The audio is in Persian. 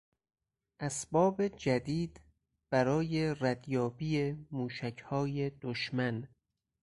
اسباب جدید برای ردیابی موشک های دشمن